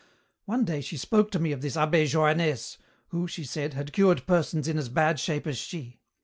One day she spoke to me of this abbé Johannès, who, she said, had cured persons in as bad shape as she.